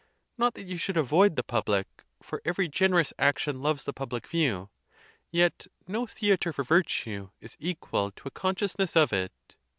Not that you should avoid the public, for every generous action loves the public view; yet no the atre for virtue is equal to a consciousness of it.